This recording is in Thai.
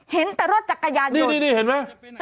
เห็นแต่รถจักรยานยนต์นี่เห็นไหม